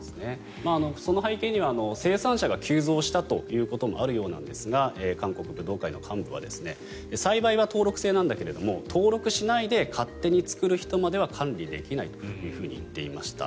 その背景には生産者が急増したこともあるようですが韓国ブドウ会の幹部は栽培は登録制なんだけども登録しないで勝手に作る人までは管理できないというふうに言っていました。